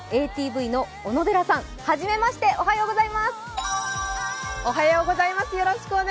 ＡＴＶの小野寺さん、はじめまして、おはようございます